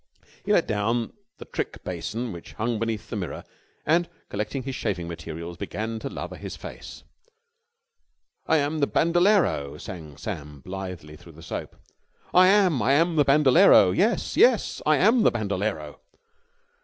He let down the trick basin which hung beneath the mirror and, collecting his shaving materials, began to lather his face. "I am the Bandolero!" sang Sam blithely through the soap, "I am, I am the Bandolero! Yes, yes, I am the Bandolero!"